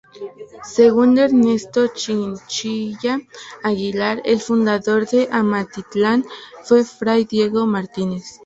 Según Ernesto Chinchilla Aguilar, el fundador de Amatitlán fue Fray Diego Martínez.